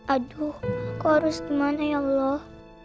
aduh aku harus gimana ya allah